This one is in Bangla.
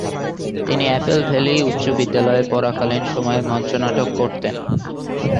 তিনি অ্যাপল ভ্যালি উচ্চ বিদ্যালয়ে পড়াকালীন সময়ে মঞ্চনাটক করতেন।